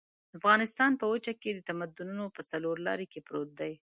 افغانستان په وچه کې د تمدنونو په څلور لاري کې پروت دی.